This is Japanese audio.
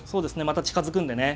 また近づくんでね。